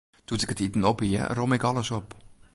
Doe't ik it iten op hie, romme ik alles op.